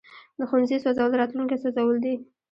د ښوونځي سوځول راتلونکی سوځول دي.